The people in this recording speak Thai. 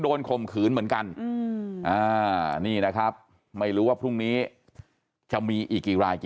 โดนคมขืนเหมือนกันอืมอ่านี่นะครับไม่รู้ว่าพรุ่งนี้จะมีอีกกี่ราย